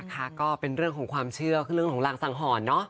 ก็เป็นเรื่องของความเชื่อคือเรื่องของรางสังหรณ์เนาะ